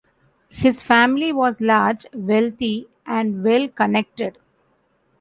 His family was large, wealthy and well-connected.